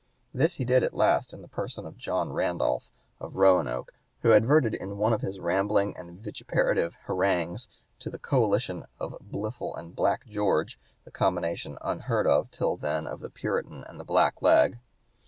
This he did at last in the person of John Randolph, of Roanoke, who adverted in one of his rambling and vituperative harangues to "the coalition of Blifil and Black George the combination unheard of till then of the Puritan and the black leg."